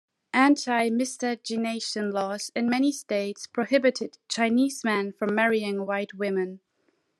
Anti-miscegenation laws in many states prohibited Chinese men from marrying white women.